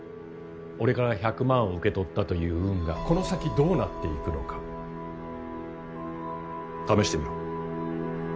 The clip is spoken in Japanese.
俺から１００万を受け取ったという運がこの先どうなっていくのか試してみろ。